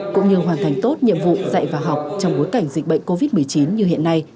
cũng như hoàn thành tốt nhiệm vụ dạy và học trong bối cảnh dịch bệnh covid một mươi chín như hiện nay